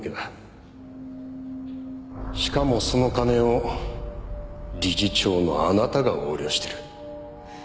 しかもその金を理事長のあなたが横領してる。